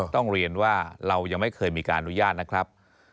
ต้องเรียนว่าเรายังไม่เคยมีการอนุญาตนะครับ